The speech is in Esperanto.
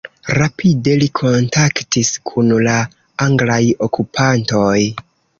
Rapide li kontaktis kun la anglaj okupantoj.